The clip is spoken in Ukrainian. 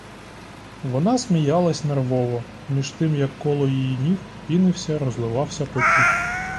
Вона сміялась нервово, між тим як коло її ніг пінився, розливався потік.